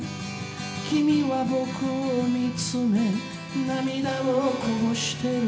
「君は僕を見つめ涙をこぼしてる」